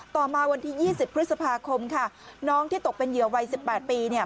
ต่อมาวันที่๒๐พฤษภาคมค่ะน้องที่ตกเป็นเหยื่อวัย๑๘ปีเนี่ย